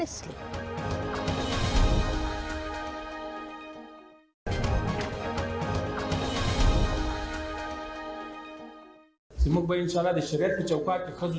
islam telah memberikan saya banyak hak jujur